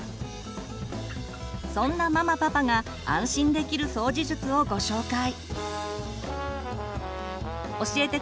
そんなママパパが安心できる掃除術をご紹介。